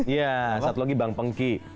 iya satu lagi bang pengki